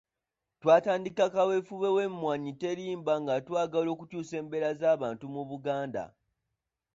Twatandika kaweefube w’Emmwanyi Terimba nga twagala okukyusa embeera z’abantu mu Buganda.